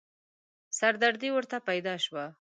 سردردې ورته پيدا شوه.